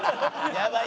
やばい！